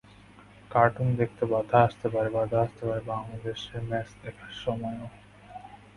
Cartoon দেখতে বাধা আসতে পারে, বাধা আসতে পারে বাংলাদেশের ম্যাচ দেখার সময়ও।